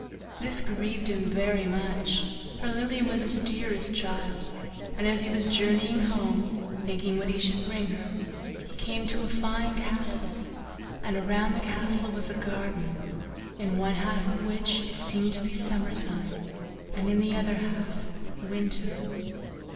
This grieved him very much, for Lily was his dearest child; and as he was journeying home, thinking what he should bring her, he came to a fine castle; and around the castle was a garden, in one half of which it seemed to be summer time and in the other half winter.